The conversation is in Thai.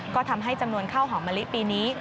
ก็ทำให้จำนวนข้าวหอมมะลิปีนี้